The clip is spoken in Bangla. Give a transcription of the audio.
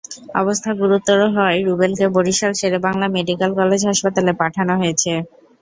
অবস্থা গুরুতর হওয়ায় রুবেলকে বরিশাল শের-ই-বাংলা মেডিকেল কলেজ হাসপাতালে পাঠানো হয়েছে।